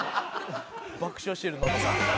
「爆笑してるののさん」